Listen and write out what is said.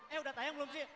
eh udah tayang belum sih